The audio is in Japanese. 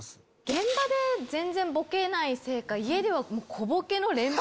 現場で全然ボケないせいか。